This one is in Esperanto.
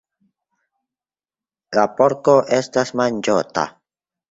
La porko estas manĝota.